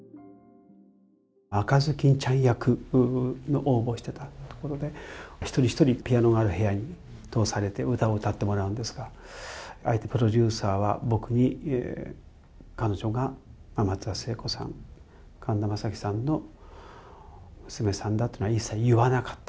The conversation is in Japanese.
赤ずきんちゃん役の応募していたところで、一人一人ピアノがある部屋に通されて、歌を歌ってもらうんですが、あえてプロデューサーは僕に彼女が松田聖子さん、神田正輝さんの娘さんだというのは一切言わなかった。